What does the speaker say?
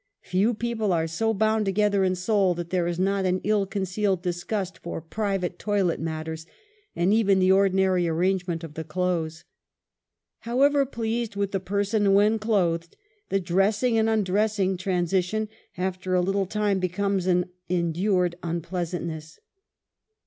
Few people are so bound too; ether in soul that there is not an ill concealed disgust for private toilet matters, and even the ordi nary arrangement of the clothes. However pleased with the person when clothed, the dressing and undressing transition, after a little time, becomes an endured unpleasantness.